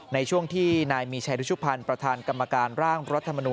ในช่วงที่นายมีแชร์ดุชุภัณฑ์ประธานกรรมการร่างรัฐธรรมนูน